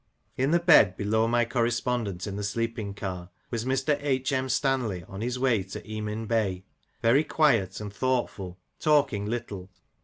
In the bed below my correspondent in the sleeping car was Mr. H. M. Stanley, on his way to Emin Bey, very quiet and thoughtful, talking little.